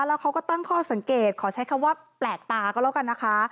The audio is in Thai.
แล้วเขาก็ตั้งข้อสังเกตขอใช้คำว่าแปลกตาก็แล้วกันนะคะ